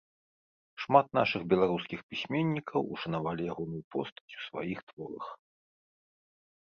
Шмат нашых беларускіх пісьменнікаў ушанавалі ягоную постаць у сваіх творах.